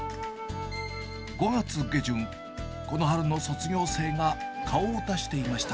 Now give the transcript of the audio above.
５月下旬、この春の卒業生が顔を出していました。